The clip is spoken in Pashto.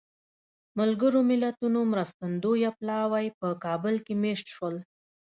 ملګرو ملتونو مرستندویه پلاوی په کابل کې مېشت شول.